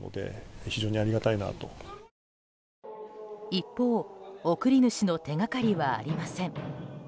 一方、贈り主の手がかりはありません。